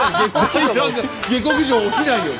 下克上起きないように。